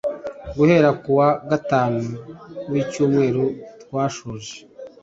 Guhera kuwa Gatanu w’icyumweru twashoje